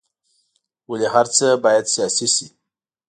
ولې هر څه باید سیاسي شي.